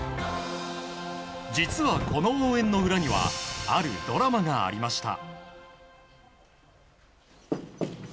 実は、この応援の裏にはあるドラマがありました。